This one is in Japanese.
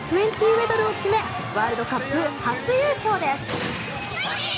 ウェドルを決めワールドカップ初優勝です。